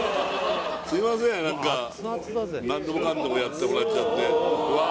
すいません何か何でもかんでもやってもらっちゃってうわ